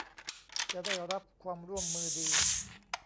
จะได้รับความร่วมมือดี